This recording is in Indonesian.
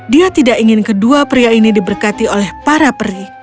dia tidak ingin kedua pria ini diberkati oleh para peri